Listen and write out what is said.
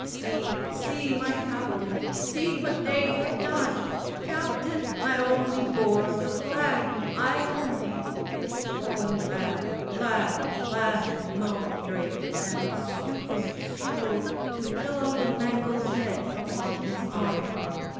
See, see, my captain, see what they have done! Captain, I only bore the flag; I only " "O, lad, lad, lad," moaned Drake, and, stooping, strove To pillow the mangled head upon his arm.